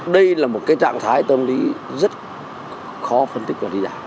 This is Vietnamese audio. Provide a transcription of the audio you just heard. đây là một trạng thái tâm lý rất khó phân tích và đí dạng